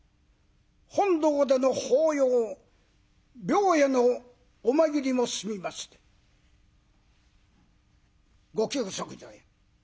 本堂での法要廟へのお参りも済みまして御休息所へ。